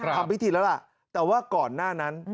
ทำพิธีแล้วล่ะแต่ว่าก่อนหน้านั้น